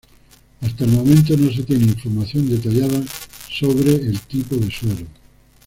Hasta el momento no se tiene información detallada acerca del tipo de suelo.